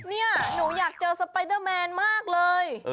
เนี่ยหนูอยากเจอสแตดเมนมากเลย